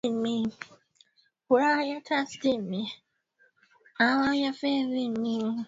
kila nchi ita itapunguza joto joto hizo kwa ki kwa kiwango gani